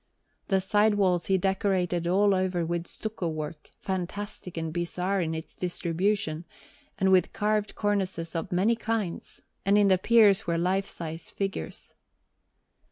The side walls he decorated all over with stucco work, fantastic and bizarre in its distribution, and with carved cornices of many kinds; and on the piers were lifesize figures.